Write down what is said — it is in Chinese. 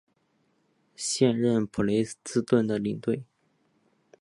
现任普雷斯顿的领队。